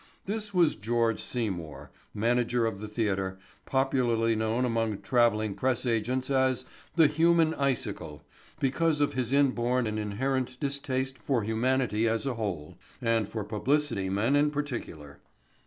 This was George Seymour, manager of the theatre, popularly known among traveling press agents as the "human icicle" because of his inborn and inherent distaste for humanity as a whole and for publicity men in particular.